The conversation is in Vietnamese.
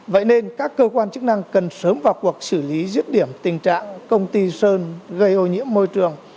vậy nên các cơ quan chức năng cần sớm vào cuộc xử lý rứt điểm tình trạng công ty sơn gây ô nhiễm môi trường